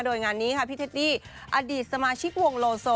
โดยงานนี้ค่ะพี่เทดดี้อดีตสมาชิกวงโลโซ